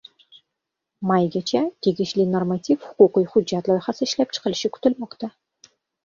Maygacha tegishli normativ huquqiy hujjat loyihasi ishlab chiqilishi kutilmoqda.